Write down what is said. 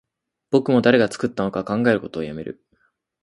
僕も誰が作ったのか考えることをやめる